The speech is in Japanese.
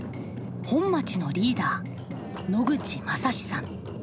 本町のリーダー野口雅史さん。